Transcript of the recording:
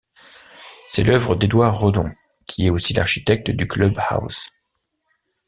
C'est l'œuvre d'Édouard Redont qui est aussi l'architecte du club house.